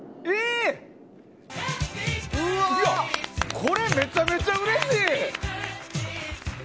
これ、めちゃめちゃうれしい！